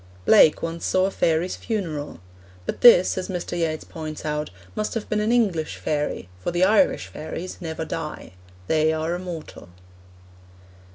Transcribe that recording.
Blake once saw a fairy's funeral. But this, as Mr. Yeats points out, must have been an English fairy, for the Irish fairies never die; they are immortal.